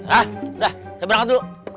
hah udah saya berangkat dulu